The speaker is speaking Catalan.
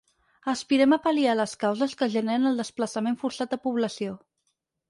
Aspirem a pal·liar les causes que generen el desplaçament forçat de població.